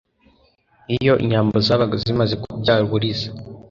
Iyo inyambo zabaga zimaze kubyara uburiza